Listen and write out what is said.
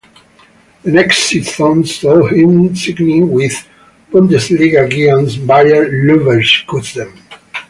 The next season saw him signing with Bundesliga giants Bayer Leverkusen.